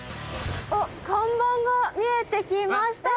あっ看板が見えてきました！